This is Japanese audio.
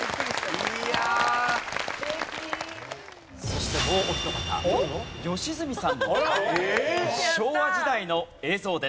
そしてもうお一方良純さんの昭和時代の映像です。